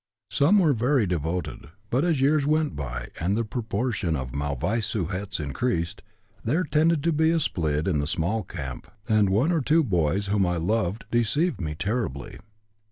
Some were very devoted; but, as years went by and the proportion of mauvais sujets increased, there tended to be a split in the small camp and one or two boys whom I loved deceived me terribly.